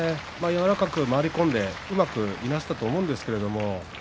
柔らかく回り込んでうまくいなしたと思うんですけれども。